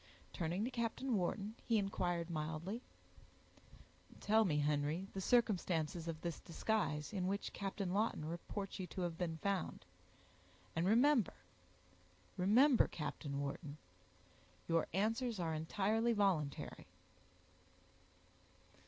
Turning to Captain Wharton, he inquired mildly,— "Tell me, Henry, the circumstances of this disguise, in which Captain Lawton reports you to have been found, and remember—remember—Captain Wharton—your answers are entirely voluntary."